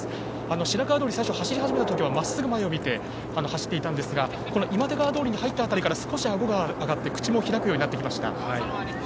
白川通を走り始めた時はまっすぐ前を見て走っていたんですが今出川通に入った辺りから少し、あごが上がって口も開くようになってきました。